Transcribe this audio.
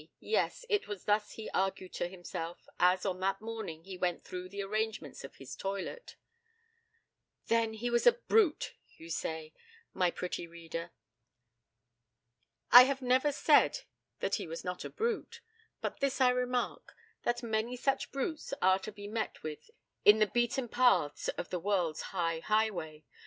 yes; it was thus he argued to himself as on that morning he went through the arrangements of his toilet. 'Then he was a brute,' you say, my pretty reader. I have never said that he was not a brute. But this I remark, that many such brutes are to be met with in the beaten paths of the world's high highway.